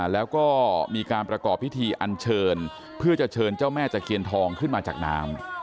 แล้วก็มีการประกอบพิธีอันเชิญเพื่อจะเชิญเจ้าแม่ตะเคียนทองขึ้นมาจากน้ำ